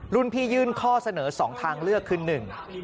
รุ่นพี่ยื่นเจอข้อเสนอ๒ทางเลือกคือ๑